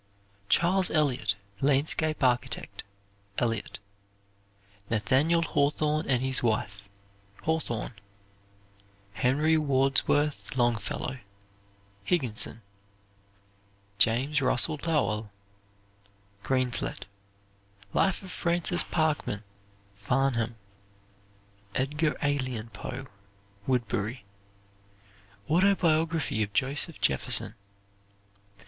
"Charles Eliot, Landscape Architect," Eliot. "Nathaniel Hawthorne and His Wife," Hawthorne. "Henry Wadsworth Longfellow," Higginson. "James Russell Lowell," Greenslet. "Life of Francis Parkman," Farnham. "Edgar Alien Poe," Woodberry. Autobiography of Joseph Jefferson.